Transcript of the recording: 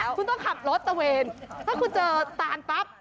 คุณต้องขับรถตะเวนถ้าคุณเจอตานปั๊บ